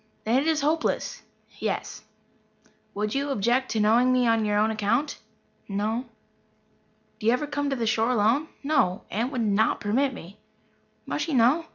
"Then it is hopeless." "Yes." "Would you object to knowing me on your own account?" "No." "Do you ever come to the shore alone?" "No. Aunt would not permit me." "Must she know?"